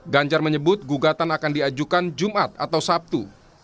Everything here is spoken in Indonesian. ganjar menyebut gugatan akan diajukan jumat atau sabtu